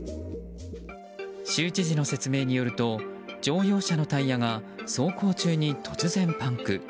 州知事の説明によると乗用車のタイヤが走行中に突然パンク。